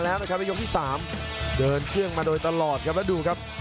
และส่งผลจนได้ครับ